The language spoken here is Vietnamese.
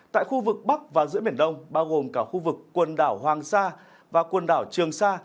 tại khu vực bắc và giữa biển đông bao gồm cả khu vực quần đảo hoàng sa và quần đảo trường sa